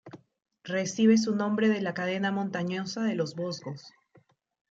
Recibe su nombre de la cadena montañosa de los Vosgos.